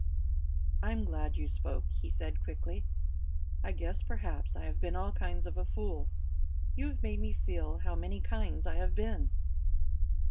"I'm glad you spoke," he said, quickly. "I guess perhaps I have been all kinds of a fool. You have made me feel how many kinds I have been."